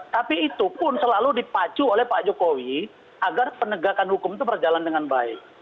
tapi itu pun selalu dipacu oleh pak jokowi agar penegakan hukum itu berjalan dengan baik